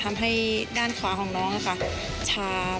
มีความรู้สึกว่า